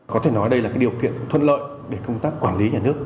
có thể nói đây là điều kiện thuận lợi để công tác quản lý nhà nước